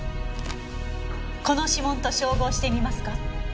この指紋と照合してみますか？